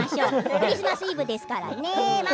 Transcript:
クリスマスイブですからね。